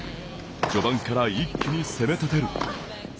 序盤から一気に攻めたてる。